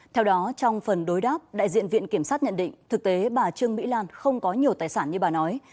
theo đó trong phần đối đáp đại diện viện kiểm sát nhận định thực tế bà trương mỹ lan không có nhiều tài sản như bà nói